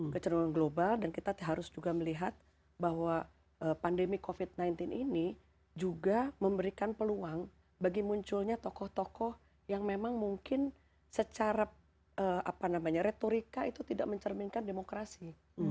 kecernuhan global dan kita harus juga melihat bahwa pandemi covid sembilan belas ini juga memberikan peluang bagi munculnya tokoh tokoh yang memang mungkin secara retorika itu tidak mencerminkan demokrasi